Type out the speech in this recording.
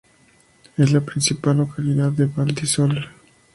Es la principal localidad de Val di Sole.